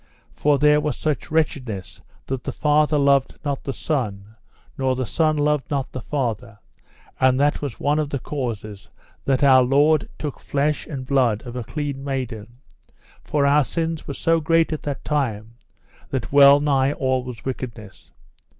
For there was such wretchedness that the father loved not the son, nor the son loved not the father; and that was one of the causes that Our Lord took flesh and blood of a clean maiden, for our sins were so great at that time that well nigh all was wickedness.